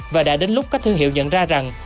và đã đến lúc các thương hiệu nhận ra rằng